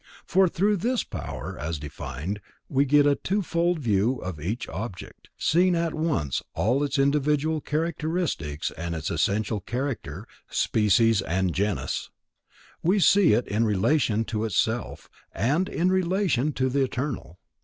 For through this power, as defined, we get a twofold view of each object, seeing at once all its individual characteristics and its essential character, species and genus; we see it in relation to itself, and in relation to the Eternal.